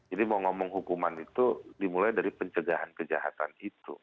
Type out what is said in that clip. mau ngomong hukuman itu dimulai dari pencegahan kejahatan itu